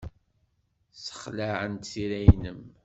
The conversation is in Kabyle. Ssexlaɛent tira-nnem.